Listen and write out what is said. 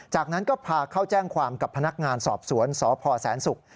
จากนั้นก็พาเข้าแจ้งความกับพนักงานสอบสวนสพแสนศุกร์